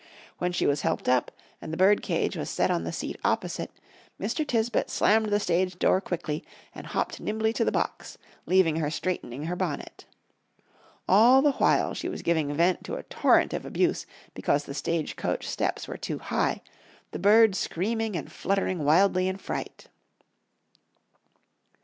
When she was helped up, and the bird cage was set on the seat opposite, Mr. Tisbett slammed to the stage door quickly, and hopped nimbly to the box, leaving her straightening her bonnet. All the while she was giving vent to a torrent of abuse because the stage coach steps were too high, the bird screaming and fluttering wildly in fright.